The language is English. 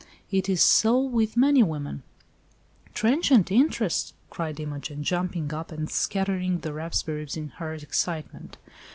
It is so with many women." "Transient interest!" cried Imogen, jumping up and scattering the raspberries in her excitement.